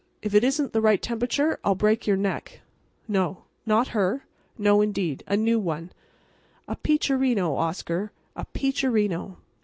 If it isn't the right temperature I'll break your neck. … No; not her … No, indeed … A new one—a peacherino, Oscar, a peacherino!"